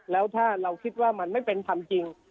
แล้วถ้าเราคิดว่ามันไม่เป็นธรรมจริง